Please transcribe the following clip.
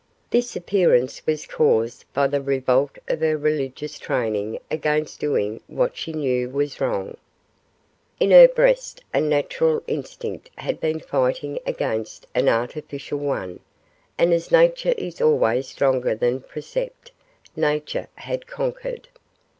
This appearance was caused by the revolt of her religious training against doing what she knew was wrong. In her breast a natural instinct had been fighting against an artificial one; and as Nature is always stronger than precept, Nature had conquered.